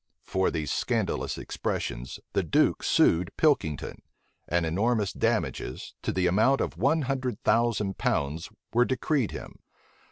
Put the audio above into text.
For these scandalous expressions, the duke sued Pilkington; and enormous damages, to the amount of one hundred thousand pounds, were decreed him.